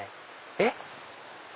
えっ？